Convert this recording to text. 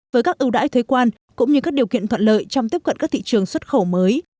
với các ưu đãi thuế quan cũng như các điều kiện thuận lợi trong tiếp cận các thị trường xuất khẩu mới